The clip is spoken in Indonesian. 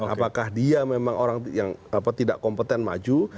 apakah dia memang orang yang tidak kompeten maju